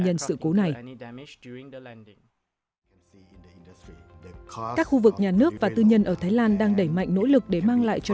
nhân sự cố này các khu vực nhà nước và tư nhân ở thái lan đang đẩy mạnh nỗ lực để mang lại cho